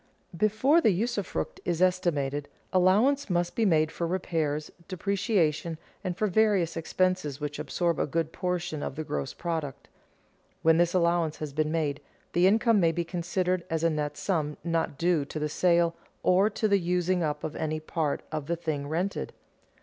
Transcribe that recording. _ Before the usufruct is estimated, allowance must be made for repairs, depreciation, and for various expenses which absorb a good portion of the gross product. When this allowance has been made, the income may be considered as a net sum not due to the sale, or to the using up of any part of the thing rented.